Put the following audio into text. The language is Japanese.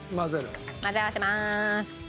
混ぜ合わせまーす。